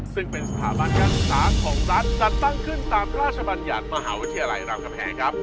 ซึ่งเป็นสถาบันการศึกษาของรัฐจัดตั้งขึ้นตามพระราชบัญญัติมหาวิทยาลัยรามคำแหงครับ